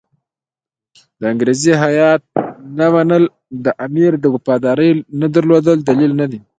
د انګریزي هیات نه منل د امیر د وفادارۍ نه درلودلو دلیل نه دی.